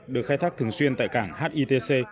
được khai thác thường xuyên tại cảng hitc